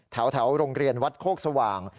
แถวโรงเรียนวัดโคกสว่าง